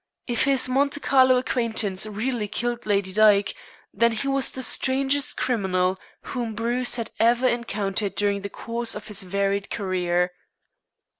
If his Monte Carlo acquaintance really killed Lady Dyke, then he was the strangest criminal whom Bruce had ever encountered during the course of his varied career.